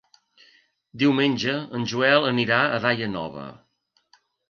Diumenge en Joel anirà a Daia Nova.